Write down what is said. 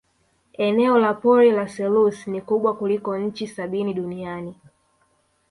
eneo la pori la selous ni kubwa kuliko nchi sabini duniani